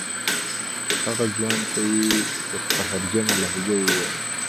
هغه ځوان ته یې په قهرجنه لهجه وویل.